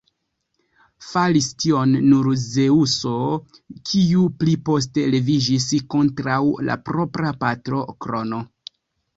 Faris tion nur Zeŭso, kiu pli poste leviĝis kontraŭ la propra patro Krono.